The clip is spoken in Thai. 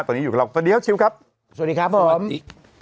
ตอนนี้อยู่กับเราตอนเดียวชิวครับสวัสดีครับสวัสดี